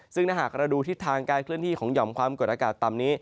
ซึ่งถ้าหากเราดูทิศทางการเคลื่อนที่ของหย่อมความกดอากาศต่ำนี้